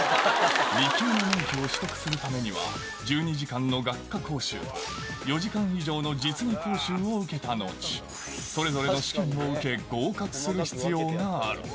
２級の免許を取得するためには、１２時間の学科講習、４時間以上の実技講習を受けたのち、それぞれの試験を受け、合格する必要がある。